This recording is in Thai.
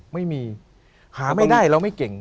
ไม่มีหาไม่ได้เราไม่เก่ง